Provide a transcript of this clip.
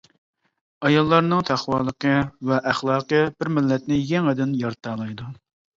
ئاياللارنىڭ تەقۋالىقى ۋە ئەخلاقى بىر مىللەتنى يېڭىدىن يارىتالايدۇ.